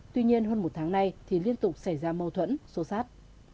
tuy nhiên hơn một tháng nay thì liên tục xảy ra mâu thuẫn xô xát